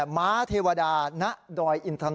ม้าเทวดาณดอยอินทน